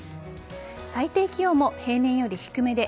最低気温も平年より低めで